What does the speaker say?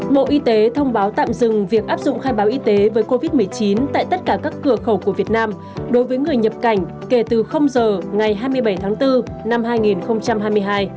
bộ y tế thông báo tạm dừng việc áp dụng khai báo y tế với covid một mươi chín tại tất cả các cửa khẩu của việt nam đối với người nhập cảnh kể từ giờ ngày hai mươi bảy tháng bốn năm hai nghìn hai mươi hai